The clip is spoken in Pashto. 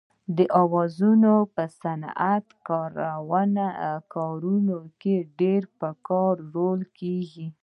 دا اوزارونه په صنعتي کارونو کې ډېر په کار وړل کېږي.